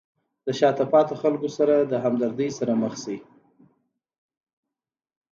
د شاته پاتې خلکو سره د همدردۍ سره مخ شئ.